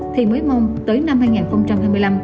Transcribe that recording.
thì mới mong tới năm hai nghìn hai mươi năm